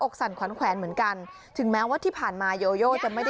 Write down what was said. เขาช่วยกันส่งเสียงตะโกนไล่เจ้าโยโยมา